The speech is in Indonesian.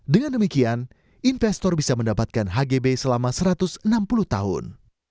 dengan demikian investor bisa mendapatkan hgb selama satu ratus enam puluh tahun